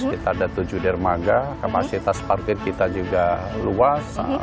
kita ada tujuh dermaga kapasitas parkir kita juga luas